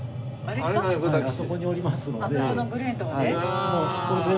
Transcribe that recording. あそこのグレーのとこね。